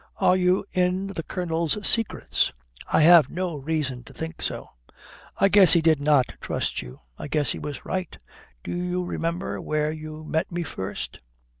Are you in the Colonel's secrets?" "I have no reason to think so." "I guess he did not trust you. I guess he was right. Do you remember where you met me first?"